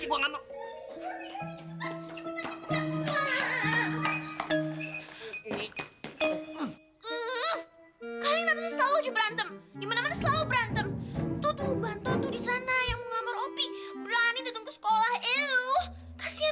tuh tuh bantuan tuh di sana yang ngambar opi berani datang ke sekolah